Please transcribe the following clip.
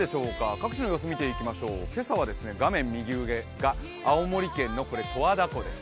各地の様子見ていきましょう、今朝は画面右上が青森県十の和田湖です。